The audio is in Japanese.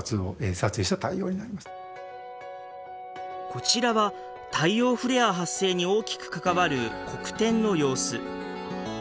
こちらは太陽フレア発生に大きく関わる黒点の様子。